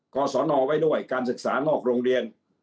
กศนไว้ด้วยการศึกษานอกโรงเรียน